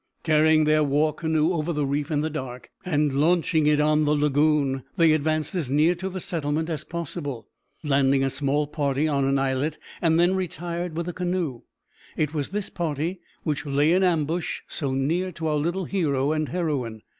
Carrying their war canoe over the reef in the dark, and launching it on the lagoon, they advanced as near to the settlement as possible, landed a small party on an islet, and then retired with the canoe. It was this party which lay in ambush so near to our little hero and heroine.